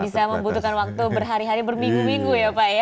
bisa membutuhkan waktu berhari hari berminggu minggu ya pak ya